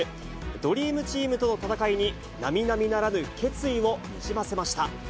ドリームチームとの戦いに、なみなみならぬ決意をにじませました。